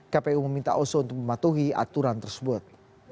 kpu meminta oso untuk mematuhi aturan tersebut